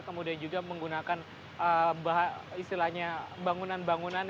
kemudian juga menggunakan istilahnya bangunan bangunan